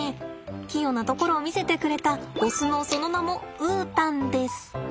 器用なところを見せてくれたオスのその名もウータンです。